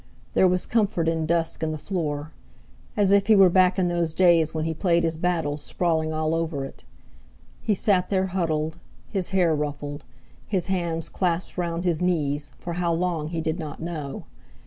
There was comfort in dusk, and the floor—as if he were back in those days when he played his battles sprawling all over it. He sat there huddled, his hair ruffled, his hands clasped round his knees, for how long he did not know.